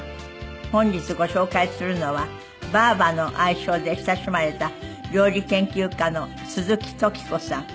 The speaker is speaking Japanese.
本日ご紹介するのはばぁばの愛称で親しまれた料理研究家の鈴木登紀子さん。